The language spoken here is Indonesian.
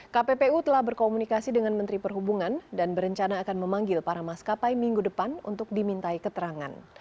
kppu telah berkomunikasi dengan menteri perhubungan dan berencana akan memanggil para maskapai minggu depan untuk dimintai keterangan